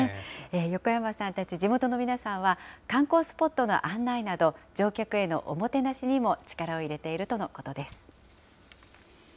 横山さんたち地元の皆さんは、観光スポットの案内など、乗客へのおもてなしにも力を入れているとのことです。